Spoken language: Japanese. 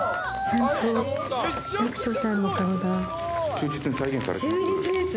忠実に再現されてます。